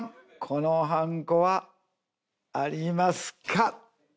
このはんこはありますか？